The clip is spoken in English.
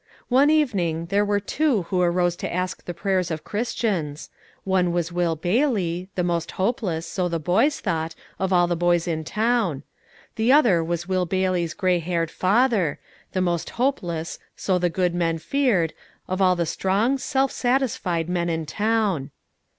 One evening there were two who arose to ask the prayers of Christians: one was Will Bailey, the most hopeless, so the boys thought, of all the boys in town; the other was Will Bailey's grey haired father, the most hopeless, so the good men feared, of all the strong, self satisfied men in town.